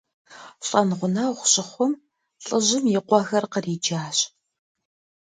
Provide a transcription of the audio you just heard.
Лӏэн гъунэгъу щыхъум, лӏыжьым и къуэхэр къриджащ.